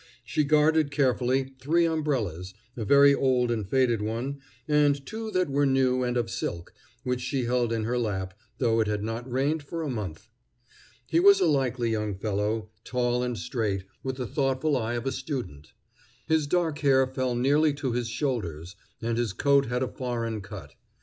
She guarded carefully three umbrellas, a very old and faded one, and two that were new and of silk, which she held in her lap, though it had not rained for a month. He was a likely young fellow, tall and straight, with the thoughtful eye of a student. His dark hair fell nearly to his shoulders, and his coat had a foreign cut.